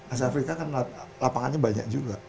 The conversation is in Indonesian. asia afrika kan lapangannya banyak juga